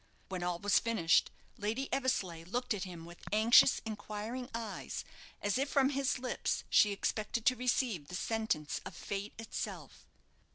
When all was finished, Lady Eversleigh looked at him with anxious, inquiring eyes, as if from his lips she expected to receive the sentence of fate itself.